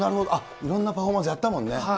いろんなパフォーマンスやったもんね。